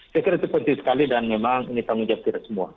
saya kira itu penting sekali dan memang ini tanggung jawab kita semua